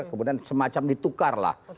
kemudian semacam ditukarlah